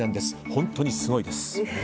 本当にすごいです。